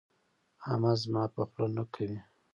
احمد زما په خوله نه کوي.